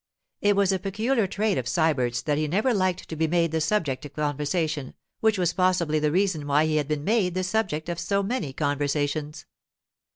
It was a peculiar trait of Sybert's that he never liked to be made the subject of conversation, which was possibly the reason why he had been made the subject of so many conversations.